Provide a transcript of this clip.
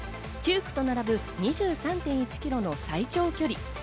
９区と並ぶ２３．１ｋｍの最長距離。